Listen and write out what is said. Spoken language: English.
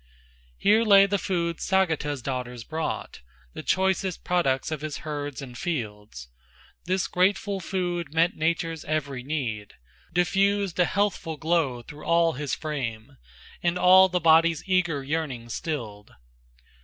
Here lay the food Sagata's daughters brought, The choicest products of his herds and fields, This grateful food met nature's every need, Diffused a healthful glow through all his frame, And all the body's eager yearnings stilled.